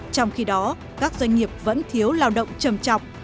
trong khi đó các doanh nghiệp vẫn thiếu lao động trầm trọng